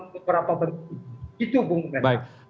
beberapa bentuk itu hubungannya